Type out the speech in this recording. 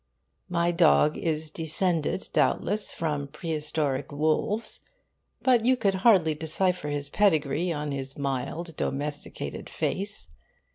My dog is descended, doubtless, from prehistoric wolves; but you could hardly decipher his pedigree on his mild, domesticated face.